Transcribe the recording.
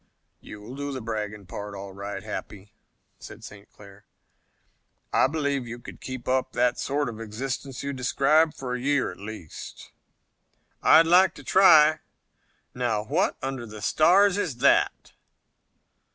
"You'll do the bragging part, all right, Happy," said St. Clair. "I believe you could keep up the sort of existence you describe for a year at least." "I'd like to try. Now, what under the stars is that?"